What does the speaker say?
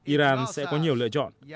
iran sẽ có nhiều lựa chọn